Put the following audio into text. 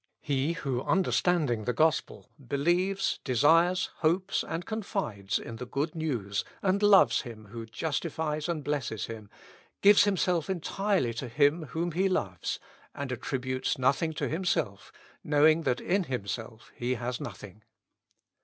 He who understanding the gospel believes, desires, hopes, confides in the good news, and loves Him who justifies and blesses him, gives himself entirely to Him whom he loves, and attributes nothing to himself, knowing that in himself he has nothing.